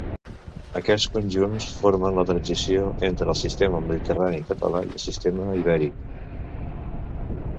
Aquests conjunts formen la transició entre el sistema Mediterrani Català i el sistema Ibèric.